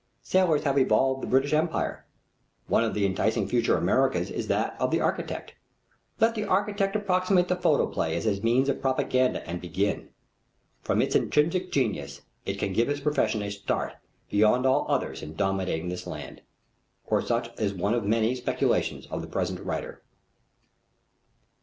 Sailors have evolved the British Empire. One of the enticing future Americas is that of the architect. Let the architect appropriate the photoplay as his means of propaganda and begin. From its intrinsic genius it can give his profession a start beyond all others in dominating this land. Or such is one of many speculations of the present writer.